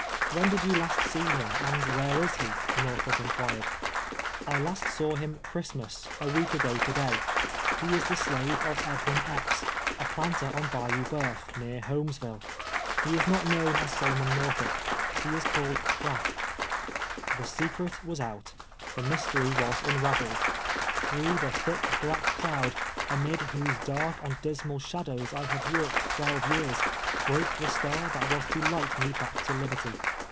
'' When did you last see him, and where is he?" jSorthup in({uircd. '• I hist saw him Christmas, a week ago to day. lie is the slave ot' IMwin I' pps, a planter on Bayou Bueuf, near llolmesville. lie is not known as Solo mon Xorthup ; he is called Piatt." Tlie secret was out — the mystery was unraveled. Tlirough the thick, ])]ack cloud, amid M'hose dark and disnuil shadows I had walked twelve years, broke the star that was to liglit me back to liberty.